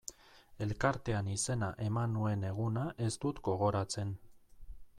Elkartean izena eman nuen eguna ez dut gogoratzen.